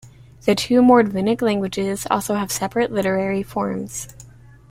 The two Mordvinic languages also have separate literary forms.